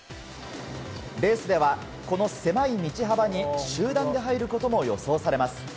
レースではこの狭い道幅に集団で入ることも予想されます。